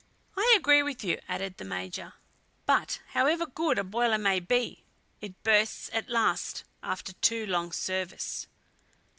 "I agree with you," added the Major, "but however good a boiler may be, it bursts at last after too long service."